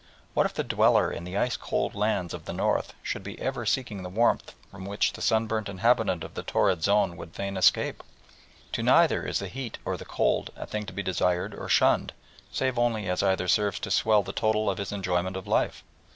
What if the dweller in the ice cold lands of the North should be ever seeking the warmth from which the sunburnt inhabitant of the torrid zone would fain escape? To neither is the heat or the cold a thing to be desired or shunned save only as either serves to swell the total of his enjoyment of life.